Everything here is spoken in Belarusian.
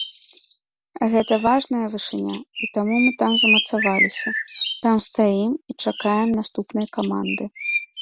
Гэта важная вышыня, і таму мы там замацаваліся, там стаім і чакаем наступнай каманды.